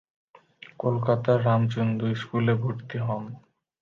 কলকাতার রামচন্দ্র স্কুলে ভর্তি হন।